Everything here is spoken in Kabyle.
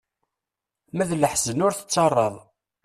Ma d leḥzen ur tettaraḍ.